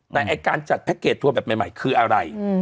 แต่ไอ้การจัดแพ็คเกจทัวร์แบบใหม่คืออะไร